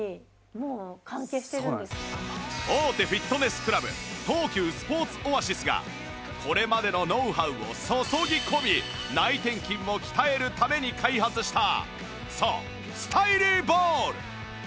大手フィットネスクラブ東急スポーツオアシスがこれまでのノウハウを注ぎ込み内転筋を鍛えるために開発したそうスタイリーボール！